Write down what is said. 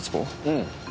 うん。